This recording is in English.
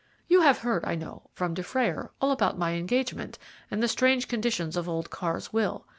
You have heard, I know, from Dufrayer, all about my engagement and the strange conditions of old Carr's will.